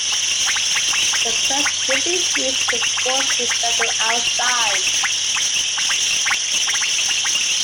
The stretch usually reads the force defender outside.